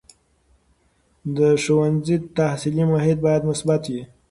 د ښوونځي تحصیلي محیط باید مثبت وي.